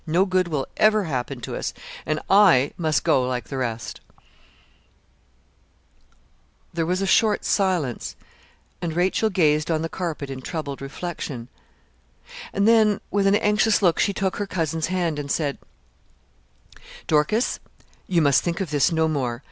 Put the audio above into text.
No good will ever happen us, and I must go like the rest.' There was a short silence, and Rachel gazed on the carpet in troubled reflection, and then, with an anxious look, she took her cousin's hand, and said 'Dorcas, you must think of this no more.